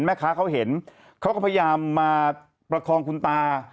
แม่ค้าเขาเห็นเขาก็พยายามมาประคองคุณตา